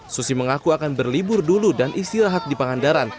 susi mengaku akan berlibur dulu dan istirahat di pangandaran